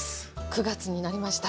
９月になりました。